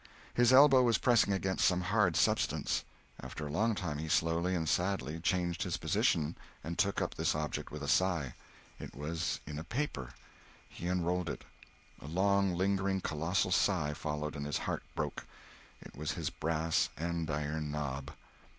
His elbow was pressing against some hard substance. After a long time he slowly and sadly changed his position, and took up this object with a sigh. It was in a paper. He unrolled it. A long, lingering, colossal sigh followed, and his heart broke. It was his brass andiron knob!